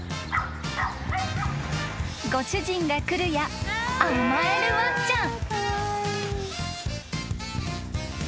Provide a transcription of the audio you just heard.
［ご主人が来るや甘えるワンちゃん］